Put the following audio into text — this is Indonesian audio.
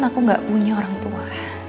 aku gak punya orang tua